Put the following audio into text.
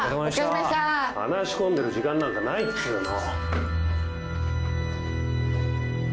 話し込んでる時間なんかないっつうの。